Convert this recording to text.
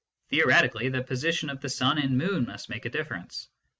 Theoretically, the position of the sun and moon must make a difference.